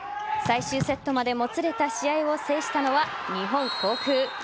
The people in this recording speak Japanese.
最終セットまでもつれた試合を制したのは日本航空。